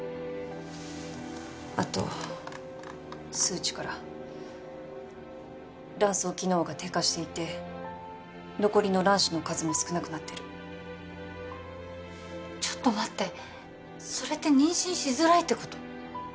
あと数値から卵巣機能が低下していて残りの卵子の数も少なくなってるちょっと待ってそれって妊娠しづらいってこと？